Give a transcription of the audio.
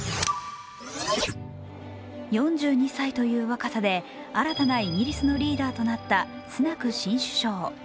４２歳という若さで新たなイギリスのリーダーとなったスナク新首相。